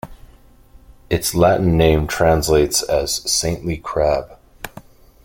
Its Latin name translates as "saintly crab".